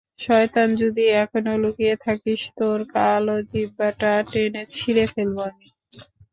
শয়তান, যদি এখনও লুকিয়ে থাকিস, তোর কালো জিহ্বাটা টেনে ছিড়ে ফেলব আমি!